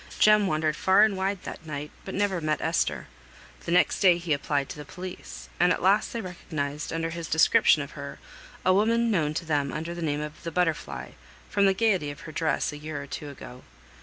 Jem wandered far and wide that night, but never met Esther. The next day he applied to the police; and at last they recognised under his description of her, a woman known to them under the name of the "Butterfly," from the gaiety of her dress a year or two ago.